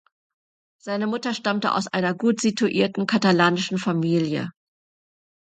Seine Mutter stammte aus einer gut situierten katalanischen Familie.